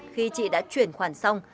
khi chị đã chuyển khoản xong